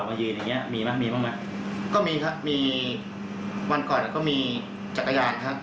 มายืนอย่างเงี้มีไหมมีบ้างไหมก็มีครับมีวันก่อนก็มีจักรยานครับ